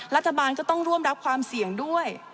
รัฐบาลก็ต้องร่วมรับความเสี่ยงด้วย